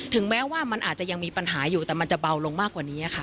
แม้ว่ามันอาจจะยังมีปัญหาอยู่แต่มันจะเบาลงมากกว่านี้ค่ะ